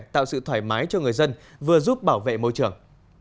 tạo sự thoải mái cho người dân vừa giúp bảo vệ môi trường